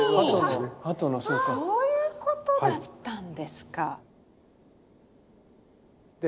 そういうことだったんですか！